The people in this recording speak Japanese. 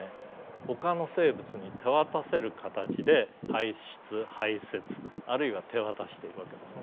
ほかの生物に手渡せる形で排出排せつあるいは手渡しているわけですね。